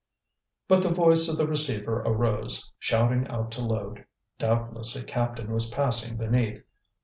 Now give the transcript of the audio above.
But the voice of the receiver arose, shouting out to load. Doubtless a captain was passing beneath.